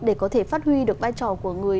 để có thể phát huy được vai trò của người